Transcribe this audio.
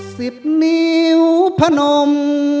สิบนิ้วพนม